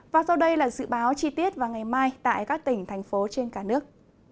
và sau đây là dự báo chi tiết vào ngày mai tại các tỉnh thành phố trên cả nước